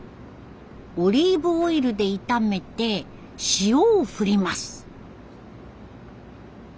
オリーブオイルで炒めて塩を振ります。